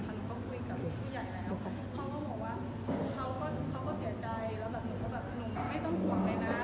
ทานุก็คุยกับผู้ใหญ่แล้วเขาก็บอกว่าเขาก็เสียใจทานุไม่ต้องห่วงเลยนะ